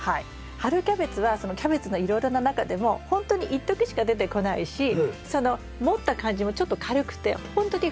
春キャベツはキャベツのいろいろな中でもほんとにいっときしか出てこないしその持った感じもちょっと軽くてほんとにフワフワなんですよね。